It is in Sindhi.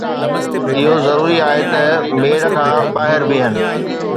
اهو ضروري آهي ته ميڙ کان ٻاهر بيهڻ